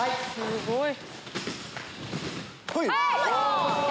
すごい。